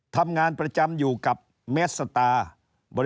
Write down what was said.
ทำงานประจำอยู่กับแมสตาบริการกู้ชีพสมศักดิ์